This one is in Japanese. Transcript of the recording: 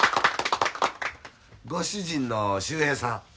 ご主人の秀平さん。